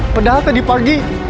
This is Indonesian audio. padahal tadi pagi